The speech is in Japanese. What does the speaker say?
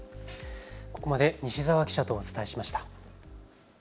ここまで西澤記者とお伝えしました。